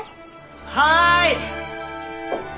はい！